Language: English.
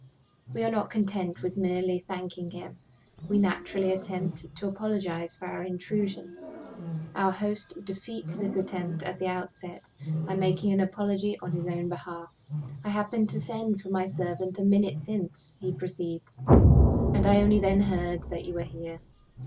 We are not content with merely thanking him; we naturally attempt to apologize for our intrusion. Our host defeats the attempt at the outset by making an apology on his own behalf. "I happened to send for my servant a minute since," he proceeds, "and I only then heard that you were here.